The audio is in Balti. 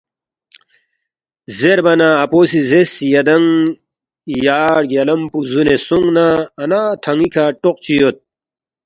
زیربا نہ اپو سی زیرس، ”یدانگ یا رگیالم پو پو زُونے سونگ نہ اَنا تھن٘ی کھہ ٹوق چی یود